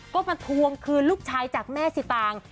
ก็มาทวงคืนลูกชายจากแม่สิตาง